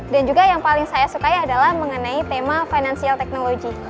dan juga yang paling saya sukai adalah mengenai tema financial technology